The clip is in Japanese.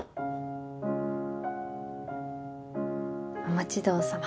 お待ちどおさま。